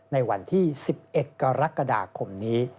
ในวันที่๑๑กรกฎาคมนี้